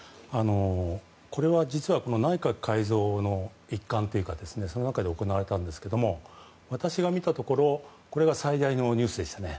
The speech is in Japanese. これは実は内閣改造の一環で行われたんですけど私が見たところこれが最大のニュースでしたね。